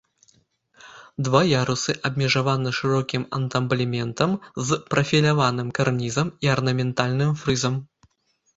Два ярусы абмежаваны шырокім антаблементам з прафіляваным карнізам і арнаментальным фрызам.